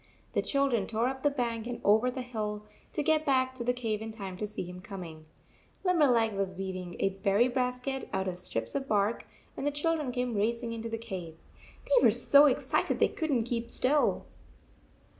The children tore up the bank and over the hill to get back to the cave in time to see him coming. Limberleg was weaving 144 a berry basket out of strips of bark, when the children came racing into the cave. They were so excited they could n t keep still.